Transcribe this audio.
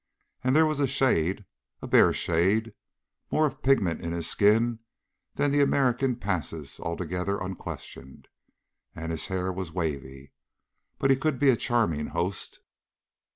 And there was a shade a bare shade more of pigment in his skin than the American passes altogether unquestioned. And his hair was wavy.... But he could be a charming host.